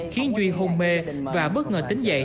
khiến duy hôn mê và bất ngờ tính dậy